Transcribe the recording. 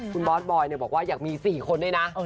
คุณบอสบอยบอกว่าอยากมี๔คนด้วยนะ